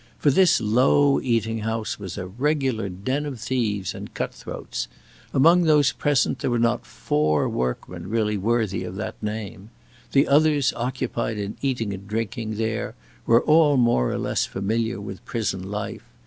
For this low eating house was a regular den of thieves and cut throats. Among those present there were not four workmen really worthy of that name. The others occupied in eating and drinking there were all more or less familiar with prison life.